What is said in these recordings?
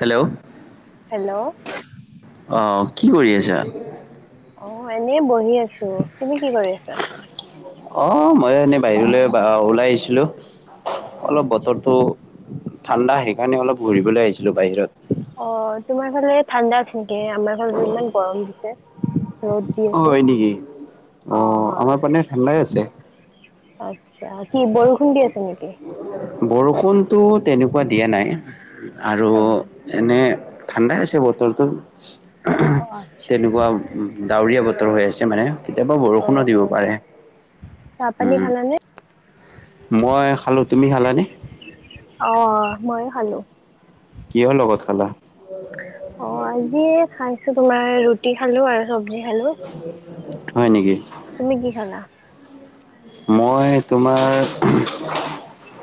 Hello? Hello আহ কি কৰি আছাঁ? অ' এনেই বহি আছো, তুমি কি কৰি আছা? অ' মই এনেই বাহিৰলৈ ওলাই আহিছিলো, অ অলপ আচ্ছা বতৰটো ঠাণ্ডা সেইকাৰণে অলপ ঘুৰিবলৈ আহিছিলো বাহিৰত। অ' তোমাৰ ফালে ঠাণ্ডা নেকি? আমাৰ ফালে ইমান গৰম দিছে। ৰ'দ দি আছে হয় নেকি? অ' আমাৰ পিনে ঠাণ্ডাই আছে। আচ্ছা, কি বৰষুণ দি আছে নেকি? বৰষুণটো তেনেকুৱা দিয়া নাই। আৰু অ এনেই ঠাণ্ডাই আছে বতৰটো, অ আচ্ছা তেনেকুৱা উম, ডাৱৰীয়া বতৰ হৈ আছে মানে অ কেতিয়াবা দিব অ পাৰে। চাহ পানী খালানে মই খালোঁ, তুমি খালানে? অ', অ', মইও খালো। কিহৰ লগত খালোঁ। [unintelligible] অ', আজি খাইছো তোমাৰ, ৰুটি খালো আৰু চব হয় নেকি? তুমি কি খালা? মই তোমাৰ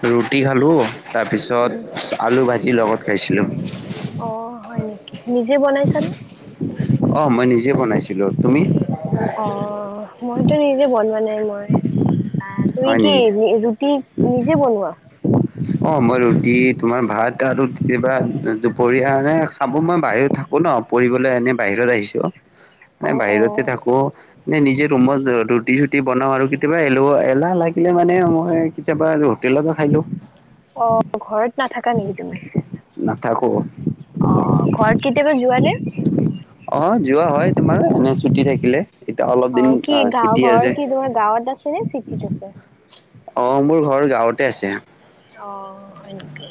ৰুটি খালো উম তাৰপিছত আলু ভাজি লগত খাইছিলোঁ। অ', হয় নেকি? নিজে বনাইছানে! অ', মই নিজে বনাইছিলো, তুমি? অ', মইতো নিজে বনোৱা নাই, মই আহ' তুমি হয় কি নেকি নি, ৰুটি নিজে বনোৱা। [unintelligible] অ', মই ৰুটি তোমাৰ ভাত আৰুত কিবা, দু-দুপৰীয়াৰে খাব মই বাহিৰত থাকি ন। পঢ়িবলৈ এনে বাহিৰত আহিছো। অ এনে অ বাহিৰতে থাকোঁ, এনে নিজে ৰুমত অ' ৰুটি-চুটি বনাও আৰু, কেতিয়াবা এলেহুৱা, এলাহ লাগিলে মানে, মই কেতিয়াবা হোটেলতো খাই দিও! অ', ঘৰত নাথাকা নেকি তুমি? নাথাকো। অ', অ', ঘৰত কেতিয়াবা যোৱা নে? অ', যোৱা হয় তোমাৰ, এনে ছুটি থাকিলে। এতিয়া অলপ অ দিন কি আহ, গাঁও ছুটি ঘৰ আছে। কি তোমাৰ গাঁৱত আছ কোনে ফিকি থৈছে। অ', মোৰ ঘৰ গাওঁতে আছে। অ', হয় নেকি?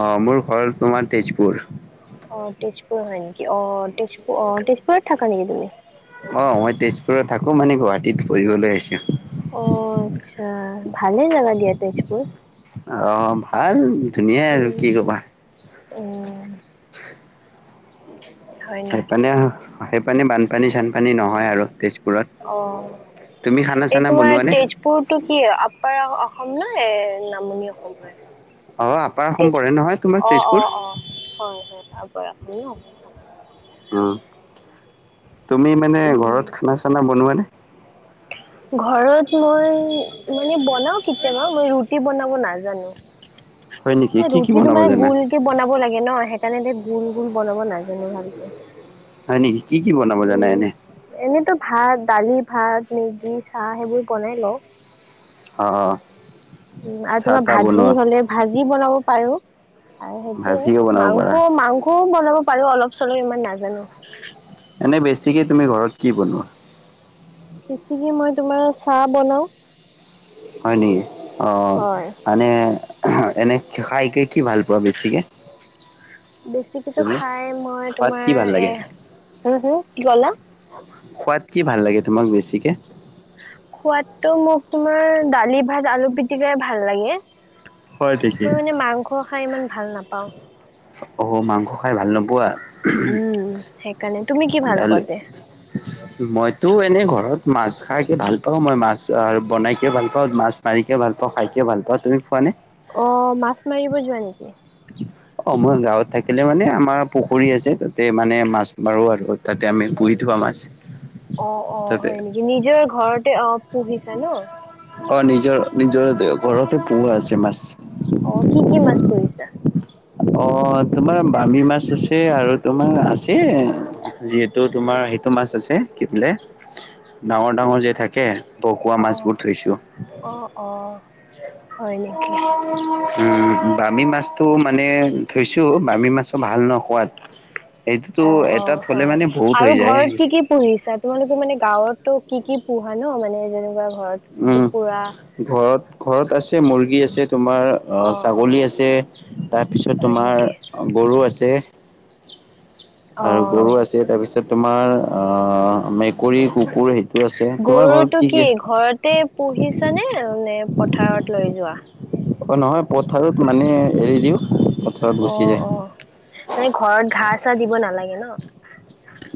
অ', মোৰ ঘৰ তোমাৰ, তেজপুৰ। অ', তেজপুৰ হয় নেকি অ', তেজপুৰ অ', তেজপুৰত থাকা নেকি তুমি? অ', মই তেজপুৰত থাকো মানে, গুৱাহাটীত ফুৰিবলৈ আহিছো। অ', আচ্ছা ভালে জাগা দিয়া তেজপুৰ। অ', ভাল ধুনীয়াই আৰু কি উম ক'বা। উম। হয় নেকি? সেইপানে আৰু, সেইপানে বানপানী চানপানী নহয় আৰু, তেজপুৰত। অ তুমি খানা-চানা বনোৱানে? পুৰতো কি, আপ্পাৰ অ-অসম নাই, নামনি অসম হয়। অ', আপাৰ অসম পৰে তেজপুৰ। নহয় তোমাৰ অ', তেজপুৰ। অ', অ', হয় হয় আকৌ ৰাখো ন। উম, তুমি মানে উম, ঘৰত খানা-চানা বনোৱানে? ঘৰত মই মানে বনাও কেতিয়াবা মই ৰুটি বনাব নাজানো। হয় নেকি এ কি কি ৰুটি বনাব তোমাৰ জানা? গোলকে বনাব লাগে ন, সেইকাৰণে যে গোল, গোল বনাব নাজানো ভালকে। হয় নেকি? কি কি বনাব জানা উম এনে। এনেতো ভাত, দালি, ভাত, মেগী, চাহ সেইবোৰ বনাই লওঁ। অ', অ', অ'। উম, আৰু তোমাৰ ভাজি হ'লে, ভাজি বনাব পাৰো। আৰু সেইটোয়ে। ভাজিও বনাব পাৰা। মাংস, মাংসও বনাব পাৰো অলপ-চলপ ইমান নাজান। এনে বেছিকে তুমি ঘৰত কি বনোৱা। সিখিনি মই তোমাৰ চাহ বনাও। হয় নি? অঁ। হয় মানে এনে খাইকে কি ভাল পোৱা বেছিকে? বেছিকেতো তুমি? খাই মই খোৱাত কি ভাল তোমাৰ এ লাগে? হুম' হুম' কি কলা? খোৱাত কি ভাল লাগে তোমাক বেছিকে? খোৱাদটো মোক তোমাৰ দালি ভাত আলু পিটিকাই ভাল লাগে। হয় নেকি? মই মানে মাংস খাই ইমান ভাল নাপাওঁ। অহ' মাংস খাই ভাল নোপোৱা? উম' সেইকাৰণে, তুমি কি ভাল তেতিয়াহ'লে পোৱা তে? মইতো এনেই ঘৰত মাছ খাইকে ভাল পাওঁ, মই মাছ বনাইকে ভাল পাওঁ, মাছ- মাৰিকে ভাল পাওঁ খাই কে ভাল পাওঁ, তুমি পোৱা নে? অ' মাছ মাৰিব যোৱা নেকি? অঁ মই গাঁৱত থাকিলে মানে আমাৰ পুখুৰী আছে তাতে মানে মাছ মাৰো আৰু। তাতে আমি পুহি থোৱা মাছ। অঁ অঁ তাতে হয় নেকি? নিজৰ ঘৰতে অঁ পুহিছা ন। অঁ নিজৰ নিজৰ ঘৰতে পোহা আছে মাছ। অ' কি কি মাছ পুহিছা? অ' তোমাৰ বামি মাছ আছে আৰু তোমাৰ আছে- যিহেতু তোমাৰ সেইটো মাছ আছে, কি বোলে? ডাঙৰ ডাঙৰ যে থাকে- টকোৱা অ মাছ বহুত থৈছো। অ অ হয় নেকি? উম' বামি মাছটো মান- নে থৈছো, বামি মাছো ভাল ন সোৱাদ। সেইটোতো অ এটা থলে মানে বহুত হৈ যায়। পুঁহিছা, তোমালোকে মানে গাঁৱতো কি কি পোহা ন মানে যেনেকুৱা ঘৰত উম কুকুৰা? ঘৰত ঘৰত আছে মুৰ্গী আছে তোমাৰ- অঁ ছাগলী আছে তাৰপিছত হয় তোমাৰ নেকি গৰু আছে। আৰু অঁ গৰু আছে তাৰ পিছত তোমাৰ অঁ মেকুৰী, কুকুৰ হেই- গৰুটো কি ঘৰতে পুহিছানে নে পথাৰত লৈ যোৱা? অ নহয় পথাৰত মানে এৰি দিওঁ। পথাৰত অ গুচি যায় অ, তুমি ঘৰত ঘাঁহ-চা দিব নালাগে ন?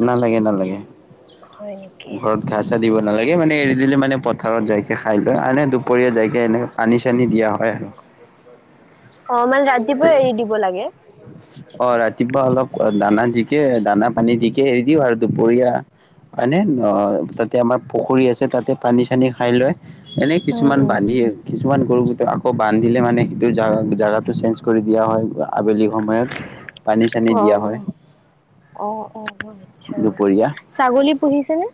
নালাগে নালাগে, হয় নেকি ঘৰত- ঘাঁহ-চা দিব নালাগে মানে এৰি দিলে মানে পথাৰত যাইকে খাই লয়। এনে দুপৰীয়া যাইকে এনে- পানি-চানি দিয়া হয় আৰু। অঁ মানে ৰাতিপুৱাই এৰি দিব লাগে। অঁ ৰাতিপুৱা অলপ দানা দিকে দানা-পানী দিকে এৰি দিওঁ আৰু দুপৰীয়া। হয়নে, তাতে আমাৰ পুখুৰী আছে তাতে পানী-চানী খাই লয়। এনেই অঁ কিছুমান বান্ধি- কিছুমান গৰু কিটা আকৌ বান্ধিলে মানে সেইটো জা-জাগাটো চেঞ্জ কৰি দিয়া হয় আবেলি সময়ত। পানী-চানী দিয়া হয়। অঁ অঁ আটছা, দুপৰীয়া ছাগলী পুহিছেনে?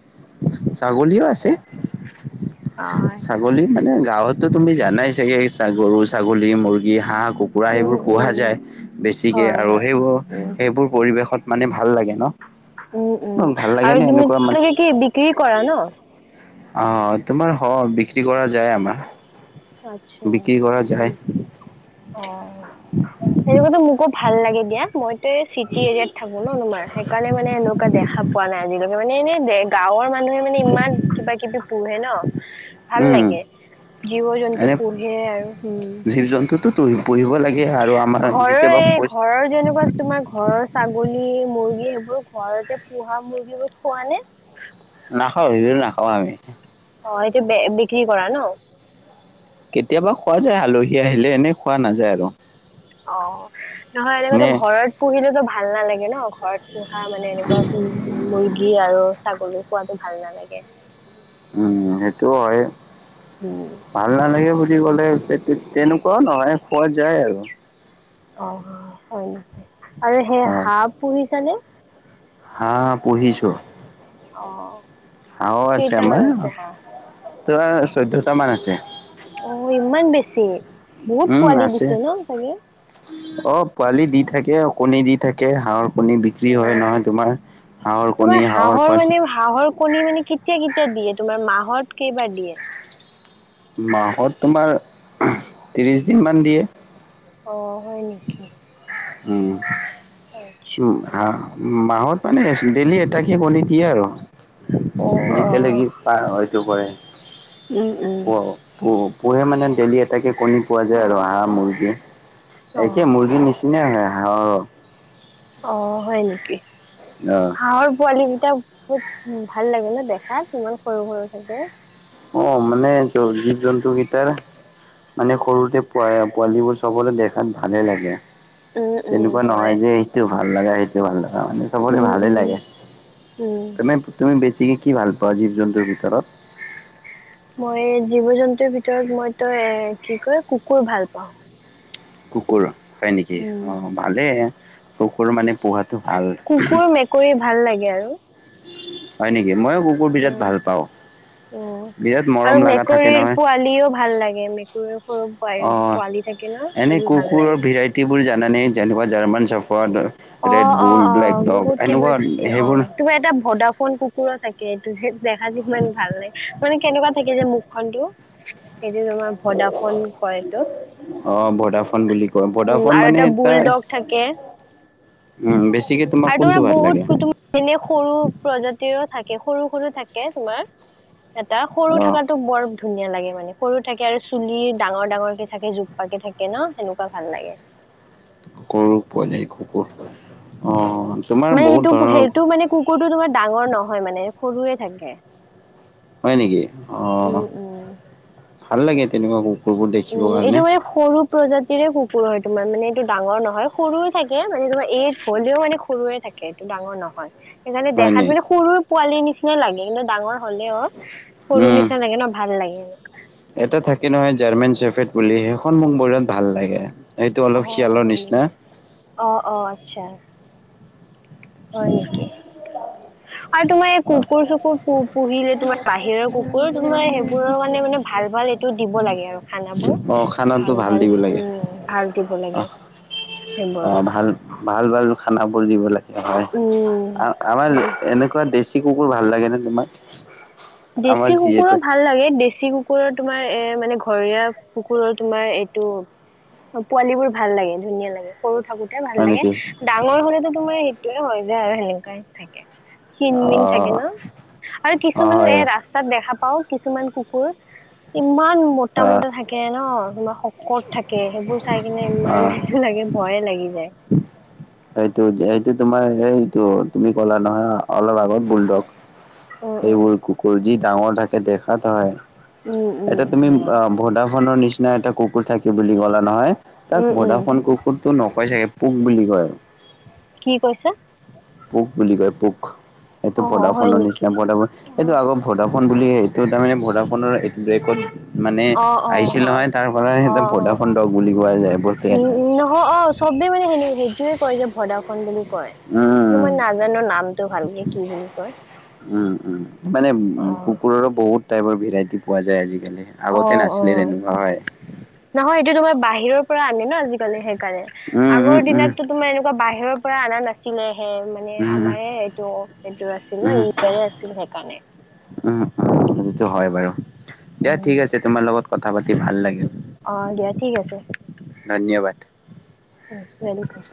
ছাগলীও আছে। হয় ছাগ- গলী মানে গাঁৱততো তুমি জানাই ছাগে গৰু, ছাগলী, মুৰ্গী, হাঁহ, কুকু- কুৰা উম সেইবোৰ পোহা উম যায় বেছিকে, হয় আৰু হয় সেইবোৰ উম সেইবোৰ পৰিৱেশত মানে ভাল লাগে ন? উম তোমাক উম, ভাল লাগে আৰু নে তুমি এনেকুৱা মানে? তোমালোকে কি বিক্ৰী কৰা ন? অঁ তোমাৰ হ বিক্ৰী কৰা যায় আমাৰ। আচ্ছা বিক্ৰী কৰা হয় নেকি যায়। অঁ, সেনেকুৱাটো মোকো ভাল লাগে দিয়া, মই এই চিটি এৰিয়াত থাকো ন তোমাৰ সেই কাৰনে মানে এনেকুৱা দেখা পোৱা নাই আজিলৈকে মানে। এনে গাঁৱৰ মানুহে মানে ইমান কিবা কিবি পোহে ন? [inaudible] ভাল লাগে, জীৱ জন্তু এনে পোহে আৰু উম। জীৱ জন্তুটো তো পুহি পুহিব লাগে আৰু আমাৰ ঘৰৰ যেতিয়াবা এই পইচা ঘৰৰ যেনেকুৱা তোমাৰ ঘৰৰ ছাগলী, মুৰ্গী সেইবোৰ ঘৰতে পোহা মুৰ্গীবোৰ খোৱা নে? নাখাওঁ সেইবোৰ নাখাওঁ আমি। অঁ, এইটো বিক্ৰী কৰা ন? কেতিয়াবা খোৱা যায় আলহী আহিলে এনে খোৱা নাযায় আৰু। অঁ, নহয় এনেকুৱাটো নে ঘৰত পুহিলেতো ভাল নালাগে ন ঘৰত পোহা মানে এনেকুৱা মুৰ্গী আৰু ছাগলী পোৱালী ভাল নালাগে। তাকে। উম সেইটো হয়। উম ভাল নালাগে বুলি ক'লে তেনেকুৱাও নহয় খোৱা যায় আৰু। অঁ, হয় আৰু সেই অ', হাঁহ পুহিছানে? হাঁহ পূহিছোঁ। অঁ। হাঁহয়ো আছে আমাৰ, তোমাৰ চৈধ্যটা মান আছে। অ ইমান বেছি। বহুত উম পোৱালি আছে। দিছে ন চাগে? অঁ পোৱালি দি থাকে, অ কণী দি থাকে, হাঁহৰ কণী বি ক্ৰী অ হয় নহয় তোমাৰ, হাঁহৰ তোমাৰ কণী হাঁহৰ মানে পোৱালি। হাঁহৰ কণী মানে কেতিয়া কেতিয়া দিয়ে তোমাৰ মাহত কেইবাৰ দিয়ে? মাহত তোমাৰ ত্ৰিশ দিনমান দিয়ে। অ হয় নেকি? উম। আটছ উম, হাঁহ মাহত মানে ডেইেলি এটাকে কনি দিয়ে আৰু। অ অ যেতিয়ালৈকি পায় এইটো হয়, উম উম প পু পূহে মানে ডেইলি এটাকে কণী পোৱা যায় আৰু হাঁহ মুৰ্গী অ একে মুৰ্গীৰ নিচ কোনে হাঁহে হাঁহক? অ, হয় নেকি? অঁ। হাঁহৰ পোৱালি কেইটা বহুত ভাল লাগে ন দেখাত ইমান সৰু সৰু থাকে? অঁ, মানে জীৱ জন্তুকেইটাৰ মানে সৰুতে পোৱা পোৱালিবোৰ চবৰে দেখাত ভালেই লাগে। উম উম তেনেকুৱা হয় নহয় যে সেইটো ভাল লগা, সেইটো ভাল লগা মানে চবৰে উম ভালেই উম লাগে। উম তুমি তুমি বেছিকি কি ভাল পোৱা জীৱ জন্তুৰ ভিতৰত? মই জীৱ জন্তুৰ ভিতৰত মই তই এ কি কয় কুকুৰ ভাল পাওঁ। কুকুৰ হয় নেকি? উম, অঁ ভালেই কুকুৰ মানে পোহাটো ভাল। কৈয়ে ভাল লাগে আৰু। হয় নেকি? মইও কুকুৰ বিৰাট উম ভাল পাও উম বিৰাট আৰু মৰম লগা থাকে মেকুৰীৰ নহয়। পোৱালিও ভাল লাগে মেকুৰীৰ সৰু অ পোৱালি থাকে ন সেইবোৰ ভাল লাগে। তিবোৰ জাননে? যেনেকুৱা জাৰ্মান চাৰ্ফাদ। অ ৰেড অ বুল, অ ব্লেক ডগ বহুত কিবা এনেকুৱা থাকে অ সেইবোৰ তোমাৰ এটা ভ'দা ফোন কুকুৰৰ টাইপ কে, ইমান ভাল ন? মানে কেনেকুৱা থাকে যে মুখখনতো। সেইটো তোমাৰ ভ'দাফন কয়টো। অ ভডাফোন বুলি কয় উম, ভডাফোন আৰু মানে এটা তাৰ বুলডগ থাকে। উম, বেছিকে তোমাক আৰু কোনটো তোমাৰ ভাল বহুত লাগে কুকুৰ এনে সৰু প্ৰজাতিৰো থাকে সৰু, সৰু থাকে তোমাৰ। এটা সৰু অ থকাতো বৰ ধুনীয়া লাগে, মানে সৰু থাকে আৰু চুলি ডাঙৰ, ডাঙৰ কে থাকে ন সেনেকুৱা ভাল লাগে। গৰু পোৱালী কুকুৰ পোৱালী অ' তোমাৰ মানে বহুত সেইটো ধৰণৰ সেইটো মানে কুকুৰটো তোমাৰ ডাঙৰ নহয় মানে সৰুয়ে থাকে। হয় নেকি? উম অ' উম ভাল লাগে তেনেকুৱা কুকুৰবোৰ উম দেখিবৰ এইটো কাৰণে। মানে সৰু প্ৰজাতিৰে কুকুৰ হয় তোমাৰ মানে, এইটো ডাঙৰ নহয় সৰুৱে থাকে মানে তোমাৰ এ'জ হলেও মানে সৰুৱে থাকে। এইটো ডাঙৰ নহয়। সেইকাৰণে হয় দেখাত নি মানে সৰুৰ পোৱালিৰ নিচিনা লাগে কিন্তু ডাঙৰ হ'লেও। সৰু উম নিচনা লাগে ন ভাল লাগে। এটা থাকে নহয় জাৰ্মান চেফেট বুলি, সেইখন মোক মোৰ বিৰাত ভাল লাগে এইটো অলপ শিয়ালৰ নিচিনা? অ'অ' আচ্ছা। হয় নেকি? [unintelligible] আৰু তোমাৰ এই অ কুকুৰ-চুকুৰ প পুহিলে তোমাৰ বাহিৰৰ কুকুৰ তোমাৰ সেইবোৰৰ মানে, মানে ভাল, ভাল টো দিব লাগে আৰু খানাবোৰ অ খানাটো ভাল, ভাল দিব লাগে উম, ভাল দিব অ লাগে। সেইবোৰ অ' ভাল, ভাল, ভাল খানাবোৰ দিব লাগে। হয় উম আমাৰ মানে এনেকুৱা দেশী কুকুৰ ভাল লাগেনে তোমাৰ? দেশী কুকুৰো ভাল লাগে দেশী কুকুৰ কুকুৰৰ তোমাৰ এ মানে ঘৰীয়া কুকুৰৰ তোমাৰ এইটো অ' পোৱালী বোৰ ভাল লাগে ধুনীয়া লাগে সৰু থাকোতে। ভাল হয় লাগে, নেকি ডাঙৰ হ'লেতো তোমাৰ সেইটয়ে হয় যে আৰু সেনেকুৱা থাকে। ক্ষিনমিন থাকে অ', ন? আৰু অ', কিছুমান হয় ৰাস্তাত দেখা পাওঁ কিছুমান কুকুৰ ইমান মোটা, অ', মোটা থাকে ন? শকত থাকে সেইবোৰ চাই কিনে ইমান অ'। সেইটো লাগে ভয়ে লাগি যায়। এইটো তোমাৰ এইটো তুমি কলা নহয় অলপ আগত বোল ডগ। উম উম। সেইবোৰ কুকুৰ যি ডাঙৰ থাকে দেখাত হয়। উম, উম এটা তুমি অ' ভদাফনৰ নিচিনা এটা কুকুৰ থাকে বুলি ক'লা নহয় উম তাক উম ভদাফন কুকুৰ কতো পোক বুলি কয়। কি কৈছা? পোক বুলি কয় পোক এইটো অ হয় ভোদাফোনৰ নেকি? নিচিনা ভোডাফোন এইটো আগত ভডাফোন বুলি এইটো তাৰমানে ভডাফোনৰ বেকড মানে অ অ অ আহিছিল হয়। নহয় তাৰ পৰাই অ একদম অ ভোডাফোন ডগ বুলি কোৱা যায় উম [unintelligible] উম নহয় অ চবেই মানে সেই সেইটোয়ে কয় যে ভদাফোন বুলি কয় কিন্তু মই উম। নাজানো নামটো ভালকে কি বুলি কয় উম উম মানে অ। কুকুৰৰো বহুত টাইপৰ ভেৰাইটি পোৱা যায় আজিকালি। অ আগতে অ নাছিলে তেনেকুৱা হয়। নহয় এইটোতো তোমাৰ বাহিৰৰ পৰা আনে ন আজিকালি সেই কাৰণে উম, আগৰ উম, উম, দিনততো তোমাৰ এনেকুৱা বাহিৰৰ পৰা অনা নাছিলে সেই মানে উম, আমাৰে এইটো এইটোৰ আছিল ন উম, ইণ্ডিয়াৰে আছিল সেইকাৰণে। উম উম সেইটোটো হয় বাৰু দিয়া ঠিক উম আছে তোমাৰ লগত কথা পাতি ভাল লাগিল। অ দিয়া ঠিক আছে। ধন্যবাদ! উম ৱেলকাম।